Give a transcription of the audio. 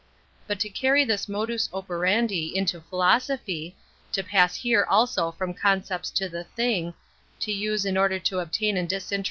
Uut to carry this modus opeivndi into phlU>8ophy» to pass here also fn>m concepts to tht> things to us»e in order to obtain a tU»lnhvn?